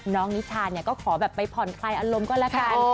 นิชาเนี่ยก็ขอแบบไปผ่อนคลายอารมณ์ก็แล้วกัน